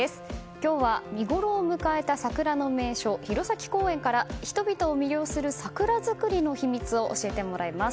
今日は見ごろを迎えた桜の名所弘前公園から人々を魅了する桜作りの秘密を教えてもらいます。